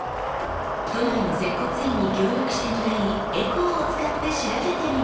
都内の接骨院に協力してもらいエコーを使って調べてみました。